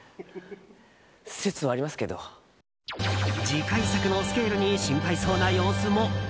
次回作のスケールに心配そうな様子も。